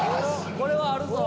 これはあるぞ。